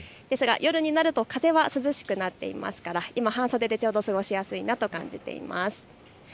夜になると風は涼しくなってきますから今ちょうど半袖で過ごしやすいなと感じています。